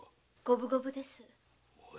五分五分です。